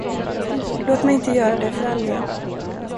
Låt mig inte göra det för all del.